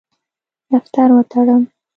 دفتر وتړم.